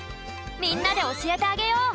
みんなでおしえてあげよう！